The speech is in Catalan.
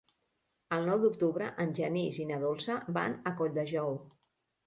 El nou d'octubre en Genís i na Dolça van a Colldejou.